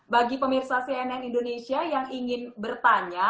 bagi pemirsa cnn indonesia yang ingin bertanya